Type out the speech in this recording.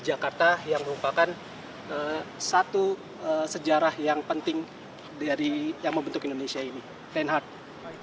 ketua komisi e dprd jakarta yang merupakan satu sejarah yang penting dari yang membentuk indonesia ini reinhardt